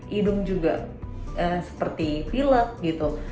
hidung juga seperti vilek gitu